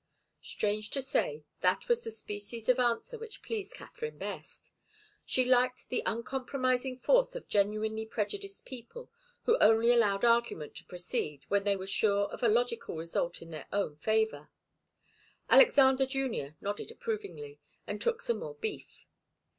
Strange to say, that was the species of answer which pleased Katharine best. She liked the uncompromising force of genuinely prejudiced people who only allowed argument to proceed when they were sure of a logical result in their own favour. Alexander Junior nodded approvingly, and took some more beef.